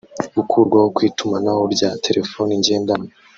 gukurwaho kw’itumanaho rya telefoni ngendanwa